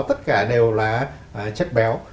tất cả đều là chất béo